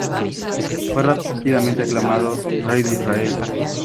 Fue rápidamente aclamado rey de Israel.